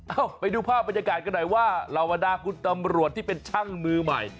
ไปดูภาพบรรยากาศกันหน่อยว่าเหล่าบรรดาคุณตำรวจที่เป็นช่างมือใหม่